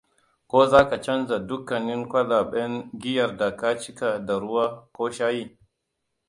Ko za ka canza dukkanin kwalaben giyar da ka cika da ruwa ko shayi?